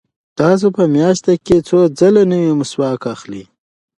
تاسو په میاشت کې څو ځله نوی مسواک اخلئ؟